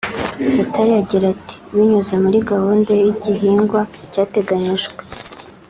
Butare agira ati “Binyuze muri gahunda y’igihingwa cyateganyijwe